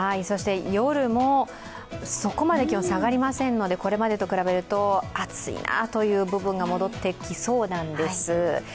夜もそこまで気温下がりませんので、これまでと比べると暑いなという部分が戻ってきそうなんです。